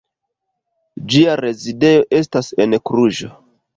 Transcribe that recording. Ĝia rezidejo estas en Kluĵo.